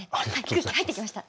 空気入ってきました。